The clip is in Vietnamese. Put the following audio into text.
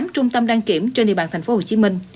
tám trung tâm đăng kiểm trên địa bàn tp hcm